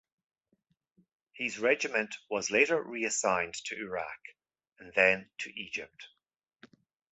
His regiment was later reassigned to Iraq, and then to Egypt.